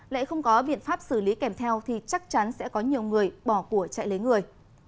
lại không có biện pháp xử lý kèm theo thì chắc chắn sẽ có nhiều người bỏ của chạy lấy người